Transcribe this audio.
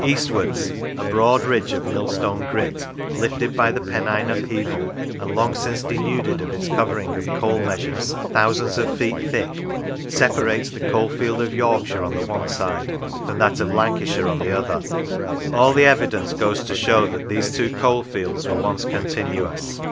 Eastwards a broad ridge of millstone grit, lifted by the Pennine upheaval, and long since denuded of its covering of coal measures, thousands of feet thick, separates the coalfield of Yorkshire, on the one side, from that of Lancashire on the other. All the evidence goes to show that these two coalfields were once continuous.